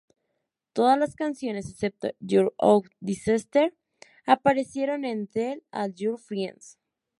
Todas las canciones, excepto "Your Own Disaster", aparecieron en "Tell All Your Friends".